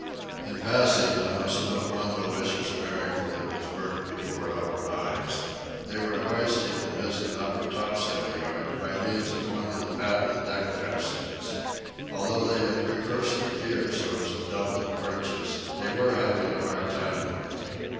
In passing, I must note one delicious miracle that was worked before our eyes. They were hoisting the mizzen upper topsail yard by means of one of the patent deck capstans. Although they had reversed the gear so as to double the purchase, they were having a hard time of it.